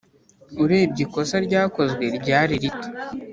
urebye ikosa ryakozwe. ryari rito